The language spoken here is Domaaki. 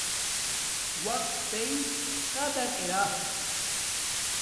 قوقتݵ قرر ارہ